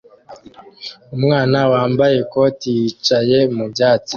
Umwana wambaye ikoti yicaye mu byatsi